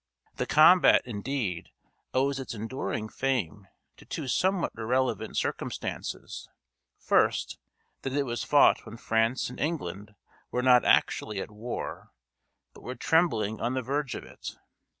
The combat, indeed, owes its enduring fame to two somewhat irrelevant circumstances first, that it was fought when France and England were not actually at war, but were trembling on the verge of it.